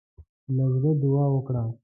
له زړۀ دعا وکړه.